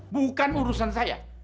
bukan urusan saya